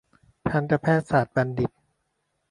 ทันตแพทยศาสตรบัณฑิต